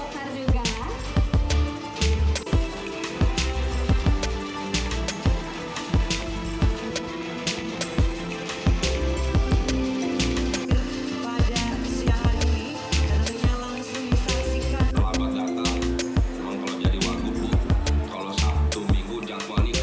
seibapa eriko sotar juga